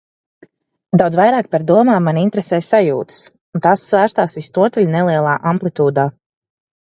Daudz vairāk par domām mani interesē sajūtas, un tās svārstās visnotaļ nelielā amplitūdā.